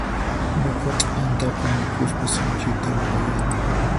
Nuqa t'antata mikhuspa sinchita wirayani.